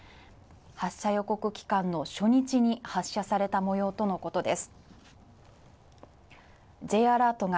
発射予告期間の初日に発射されたもようとのことです。